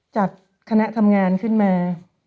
จัดคณะทำงานขึ้นมา